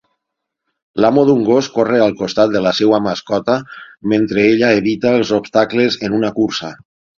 L'amo d'un gos corre al costat de la seva mascota mentre ella evita els obstacles en una cursa.